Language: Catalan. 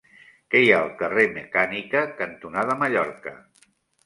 Què hi ha al carrer Mecànica cantonada Mallorca?